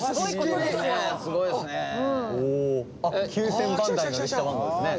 すごいですね！